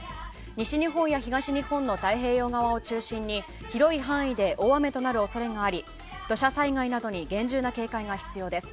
西日本や東日本の太平洋側を中心に広い範囲で大雨となる恐れがあり土砂災害などに厳重な警戒が必要です。